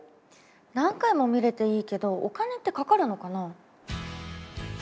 何回も見れていいけどお金ってかかるのかな？